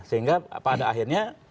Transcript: sehingga pada akhirnya